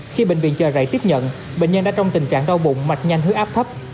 khi bệnh viện chờ rảy tiếp nhận bệnh nhân đã trong tình trạng đau bụng mạch nhanh hứa áp thấp